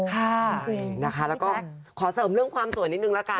ค่ะจริงนะคะแล้วก็ขอเสริมเรื่องความสวยนิดหนึ่งแล้วกัน